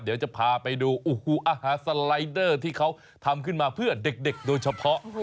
เดี๋ยวจะพาไปดูอาหารสไลเดอร์ที่เขาทำขึ้นมาเพื่อเด็กโดยเฉพาะ